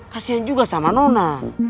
kasian juga sama nona